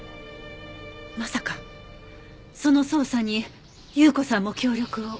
まさかその捜査に有雨子さんも協力を？